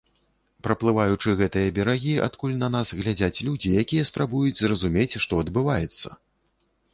Праплываючы гэтыя берагі, адкуль на нас глядзяць людзі, якія спрабуюць зразумець, што адбываецца!